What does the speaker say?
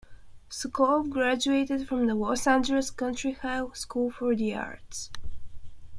Sokoloff graduated from the Los Angeles County High School for the Arts.